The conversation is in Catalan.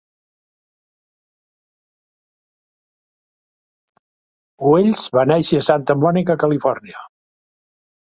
Welles va néixer a Santa Monica, Califòrnia.